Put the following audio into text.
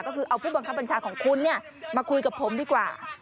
ก็คือเอาผู้บอกคำปัญชาของคุณเนี่ยมาคุยกับผมดีกว่า